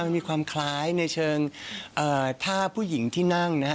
มีความคล้ายในเชิงผ้าผู้หญิงที่นั่งนะฮะ